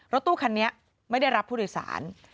รถตู้คันนี้ไม่ได้รับผู้โดยสาร